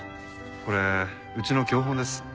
これうちの教本です。